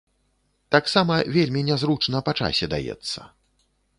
Таксама вельмі нязручна па часе даецца.